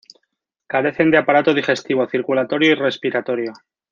Carecen de aparato digestivo, circulatorio y respiratorio.